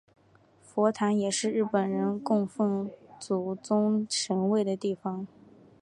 佛坛也是日本人供奉祖宗神位的地方。